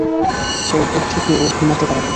এরপর থেকে ও ঘুমাতে পারে না।